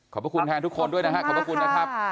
ขอบคุณแทนทุกคนด้วยนะครับ